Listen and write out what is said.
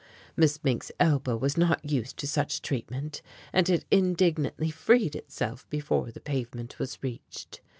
Miss Mink's elbow was not used to such treatment and it indignantly freed itself before the pavement was reached.